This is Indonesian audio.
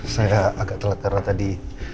saya agak telat karena tadi